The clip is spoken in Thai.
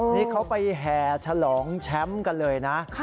นี่เขาไปแห่ฉลองแชมป์กันเลยนะ